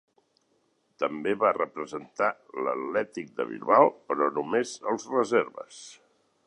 També va representar l'Athletic de Bilbao, però només els reserves.